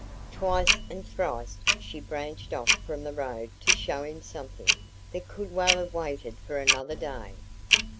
Twice and thrice she branched off from the road to show him something that could well have waited for another day.